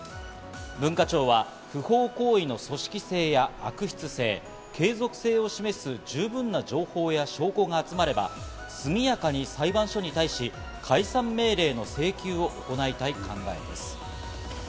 文化庁は不法行為の組織性や悪質性、継続性を示す、十分な情報や証拠が集まれば、速やかに裁判所に対し解散命令の請求を行いたい考えです。